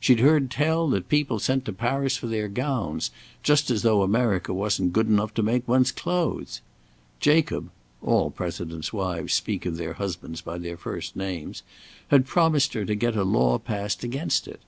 She'd heard tell that people sent to Paris for their gowns, just as though America wasn't good enough to make one's clothes! Jacob (all Presidents' wives speak of their husbands by their first names) had promised her to get a law passed against it.